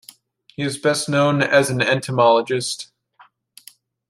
He is best known as an entomologist.